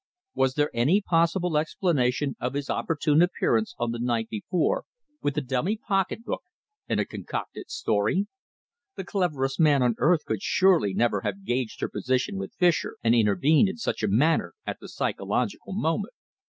Was there any possible explanation of his opportune appearance on the night before with a dummy pocketbook and a concocted story? The cleverest man on earth could surely never have gauged her position with Fischer and intervened in such a manner at the psychological moment.